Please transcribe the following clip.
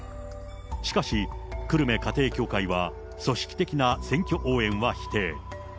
しかし、久留米家庭教会は組織的な選挙応援は否定。